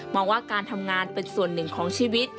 องว่าการทำงานเป็นส่วนหนึ่งของชีวิต